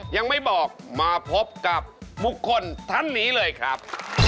ยังไม่บอกมาพบกับบุคคลท่านนี้เลยครับ